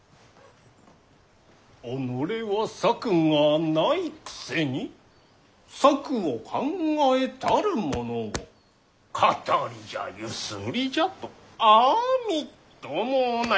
己は策がないくせに策を考えたる者を騙りじゃゆすりじゃとあみっともない。